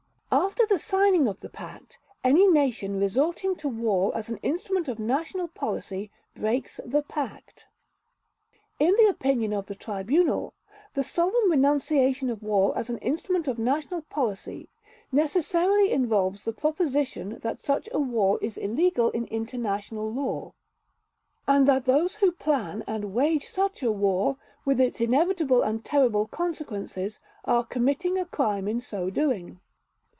After the signing of the Pact, any nation resorting to war as an instrument of national policy breaks the Pact. In the opinion of the Tribunal, the solemn renunciation of war as an instrument of national policy necessarily involves the proposition that such a war is illegal in international law; and that those who plan and wage such a war, with its inevitable and terrible consequences, are committing a crime in so doing.